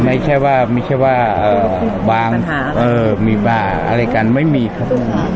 ไม่ใช่ว่าไม่ใช่ว่าบางมีบ้าอะไรกันไม่มีครับ